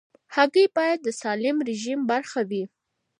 هګۍ باید د سالم رژیم برخه وي.